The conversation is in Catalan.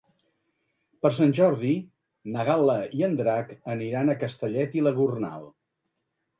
Per Sant Jordi na Gal·la i en Drac aniran a Castellet i la Gornal.